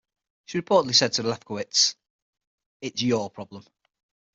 She reportedly said to Lefkowitz: It's your problem.